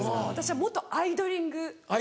私は元アイドリング！！！